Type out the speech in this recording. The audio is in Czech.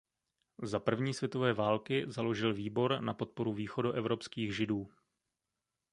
Za první světové války založil výbor na podporu východoevropských Židů.